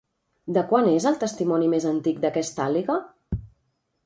De quan és el testimoni més antic d'aquesta àliga?